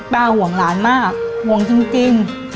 ห่วงหลานมากห่วงจริง